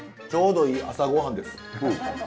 ちょうどいい朝御飯です。